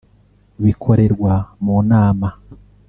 bikorerwa mu nama